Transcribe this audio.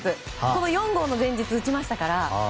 この４号の前日打ちましたから。